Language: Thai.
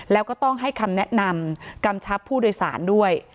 แล้วก็ต้องให้คำแนะนำกำชับผู้โดยสารด้วย